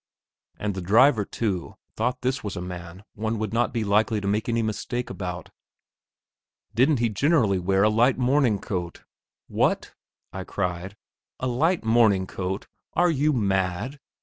And the driver, too, thought this was a man one would not be likely to make any mistake about. "Didn't he generally wear a light morning, coat?" "What!" I cried; "a light morning coat? Are you mad?